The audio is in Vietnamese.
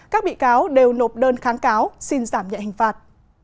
các bị cáo đều nộp đơn kháng cáo xin giảm nhẹ hình phạt